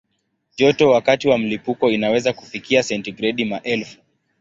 Joto wakati wa mlipuko inaweza kufikia sentigredi maelfu.